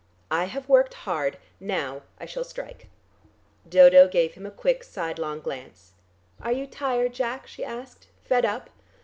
I have worked hard; now I shall strike." Dodo gave him a quick, sidelong glance. "Are you tired, Jack?" she asked. "Fed up?"